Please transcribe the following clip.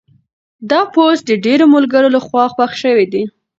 دا پوسټ د ډېرو ملګرو لخوا خوښ شوی دی.